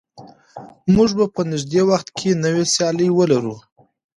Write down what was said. موږ به په نږدې وخت کې نوې سیالۍ ولرو.